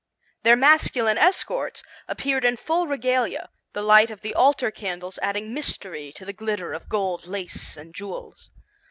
Their masculine escorts appeared in full regalia, the light of the altar candles adding mystery to the glitter of gold lace and jewels.